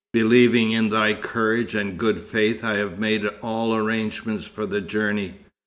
Believing in thy courage and good faith, I have made all arrangements for the journey.